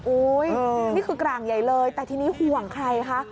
นี่คือกลางใหญ่เลยแต่ทีนี้ห่วงใครคะ